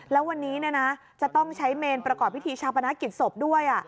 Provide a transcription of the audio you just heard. แล้ววันนี้จะต้องใช้เมนประกอบพิธีชาปนกิจศพด้วย